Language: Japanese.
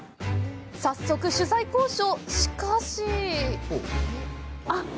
早速取材交渉！